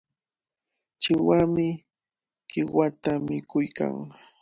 Chiwami qiwata mikuykan.